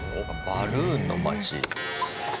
バルーンの町。